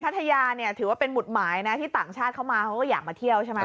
ทยาเนี่ยถือว่าเป็นหุดหมายนะที่ต่างชาติเข้ามาเขาก็อยากมาเที่ยวใช่ไหม